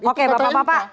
itu kata rakyat